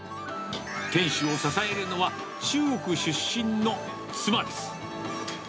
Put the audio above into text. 店主を支えるのは、中国出身の妻です。